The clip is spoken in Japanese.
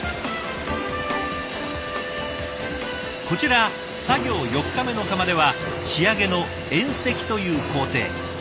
こちら作業４日目の釜では仕上げの塩析という工程。